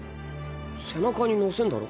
背中に乗せんだろ。